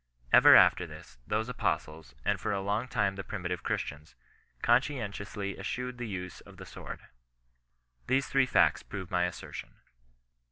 Ever after this, those apostles, and for a long time the primi tive Christians, conscientiously eschewed the use of the sword. These three facts prove my assertion.